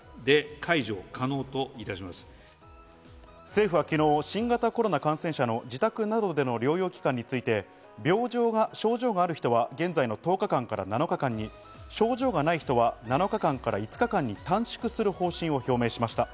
政府は昨日、新型コロナ感染者の自宅などでの療養期間について、症状がある人は現在の１０日間から７日間に、症状がない人は７日間から５日間に短縮する方針を表明しました。